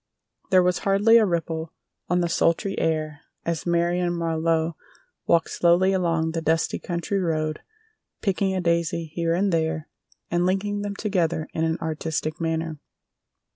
There was hardly a ripple on the sultry air as Marion Marlowe walked slowly along the dusty country road picking a daisy here and there and linking them together in an artistic manner.